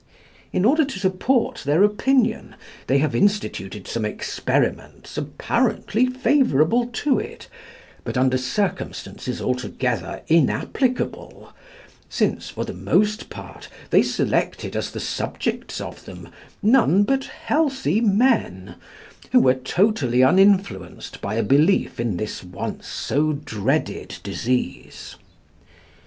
In order to support their opinion they have instituted some experiments apparently favourable to it, but under circumstances altogether inapplicable, since, for the most part, they selected as the subjects of them none but healthy men, who were totally uninfluenced by a belief in this once so dreaded disease.